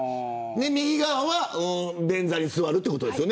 右側は便座に座るということですよね。